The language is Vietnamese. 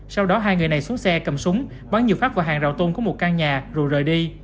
sau đó hai người này xuống xe cầm súng bắn nhiều phát vào hàng rào tôn của một căn nhà rồi rời đi